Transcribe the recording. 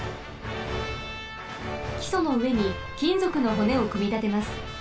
きそのうえにきんぞくのほねをくみたてます。